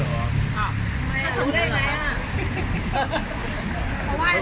ก็ไม่มีอย่างนี้